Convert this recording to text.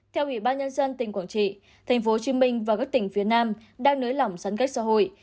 theo ubnd tỉnh quảng trị tp hcm và các tỉnh phía nam đang nới lỏng sẵn cách xã hội